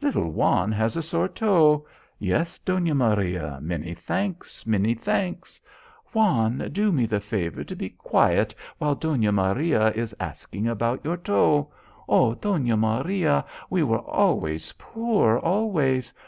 Little Juan has a sore toe. Yes, Donna Maria; many thanks, many thanks. Juan, do me the favour to be quiet while Donna Maria is asking about your toe. Oh, Donna Maria, we were always poor, always.